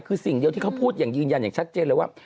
คือสิ่งเดียวที่เขาพูดอย่างยืนยันอย่างชัดเจนเลยว่า